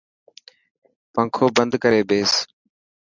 پنکو بند ڪري ٻيس.